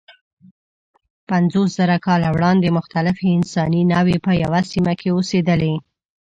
پنځوسزره کاله وړاندې مختلفې انساني نوعې په یوه سیمه کې اوسېدلې.